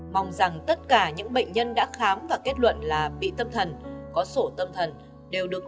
mong rằng tất cả những bệnh nhân đã khám và kết luận là bị tâm thần có sổ tâm thần đều được